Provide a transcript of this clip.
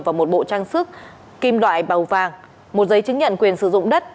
và một bộ trang sức kim loại màu vàng một giấy chứng nhận quyền sử dụng đất